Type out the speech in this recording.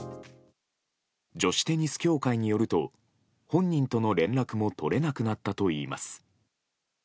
女子テニス協会によると本人との連絡も取れなくなったといいます。